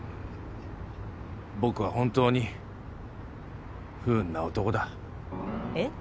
僕は本当に不運な男だ。え？